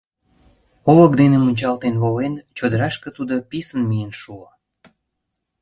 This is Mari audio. Олык дене мунчалтен волен, чодырашке тудо писын миен шуо.